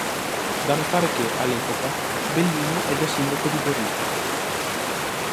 Da notare che, all'epoca, Bellini è già Sindaco di Forlì.